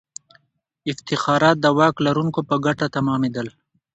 افتخارات د واک لرونکو په ګټه تمامېدل.